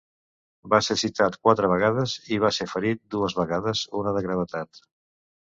Va ser citat quatre vegades, i va ser ferit dues vegades, una de gravetat.